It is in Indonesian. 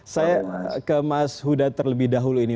saya ke mas huda terlebih dahulu ini